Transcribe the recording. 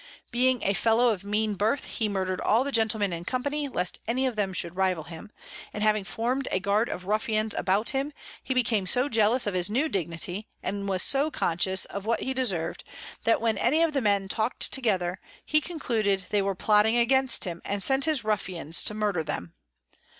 Being a Fellow of mean Birth, he murder'd all the Gentlemen in company, lest any of them should rival him; and having form'd a Guard of Ruffians about him, he became so jealous of his new Dignity, and was so conscious of what he deserv'd, that when any of the Men talk'd together, he concluded they were plotting against him, and sent his Ruffians to murder them.